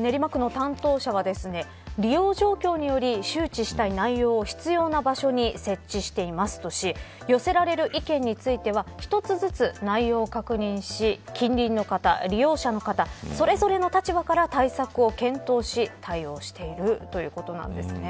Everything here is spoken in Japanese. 練馬区の担当者は利用状況により周知したい内容を必要な場所に設置していますとし寄せられる意見については１つずつ内容を確認し近隣の方、利用者の方それぞれの立場から対策を検討し対応しているということなんですね。